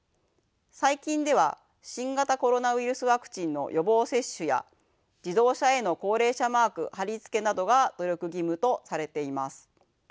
最近では新型コロナウイルスワクチンの予防接種や自動車への高齢者マーク貼り付けなどが努力義務とされています。